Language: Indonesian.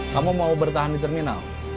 kamu mau bertahan di terminal